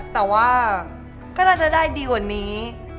แต่ว่าก็น่าจะได้ดีกว่านี้